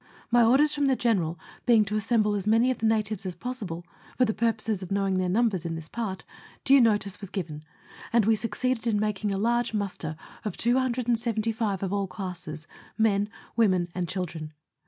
My orders from the General being to assemble as many of the natives as possible, for the purpose of knowing their numbers in this part, due notice was given, and we succeeded in making a large muster of 275 of all classes men, women, and children.